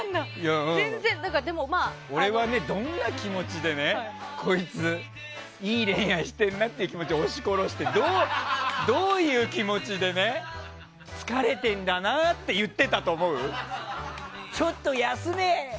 俺はどんな気持ちでこいついい恋愛してるなって気持ちを押し殺してどういう気持ちで疲れてんだなと言ってたと思う？